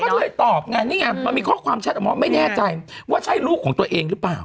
ก็เลยตอบไงนี่ไงมันมีข้อความแชทออกมาไม่แน่ใจว่าใช่ลูกของตัวเองหรือเปล่า